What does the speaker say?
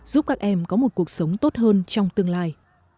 giúp các em có một cuộc sống tốt hơn trong tương lai